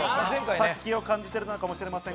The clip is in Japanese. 殺気を感じているのかもしれません。